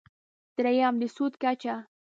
درېیم: د سود کچه.